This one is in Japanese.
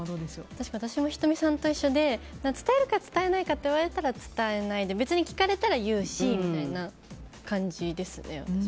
私も仁美さんと一緒で伝えるか伝えないかと言われたら伝えないで別に聞かれたら言うしっていう感じですね。